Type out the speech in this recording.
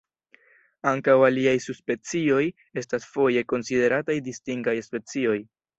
Ankaŭ aliaj subspecioj estas foje konsiderataj distingaj specioj.